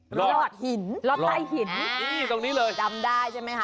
เห้ยหลอดหินหลอดไล่หินอ่านี่นี่ตรงนี้เลยจำได้ใช่ไหมฮะ